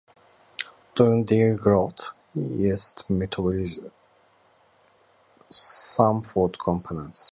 During their growth, yeasts metabolize some food components and produce metabolic end products.